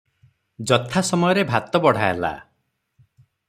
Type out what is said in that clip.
ଯଥା ସମୟରେ ଭାତ ବଢ଼ା ହେଲା ।